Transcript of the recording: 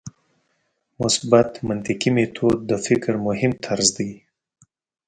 مثبت منطقي میتود د فکر مهم طرز دی.